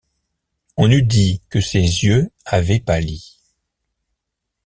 On eût dit que ses yeux avaient pâli.